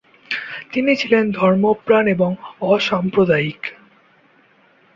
তিনি ছিলেন ধর্মপ্রাণ এবং অসাম্প্রদায়িক।